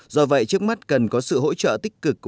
do vậy trước mắt cần có sự hỗ trợ tích cực